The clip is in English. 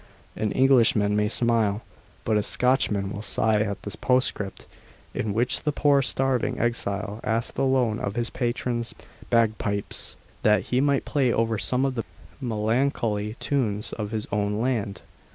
An Englishman may smile, but a Scotchman will sigh at the postscript, in which the poor starving exile asks the loan of his patron's bagpipes that he might play over some of the melancholy tunes of his own land.